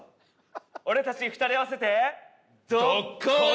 俺たち２人合わせて。